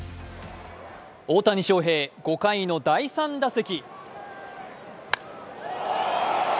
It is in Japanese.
大谷翔平、５回の第３打席。